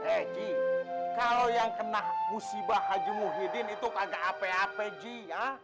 eh ji kalau yang kena musibah haji muhyiddin itu kagak ape ape ji ya